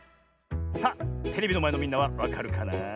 さあテレビのまえのみんなはわかるかな。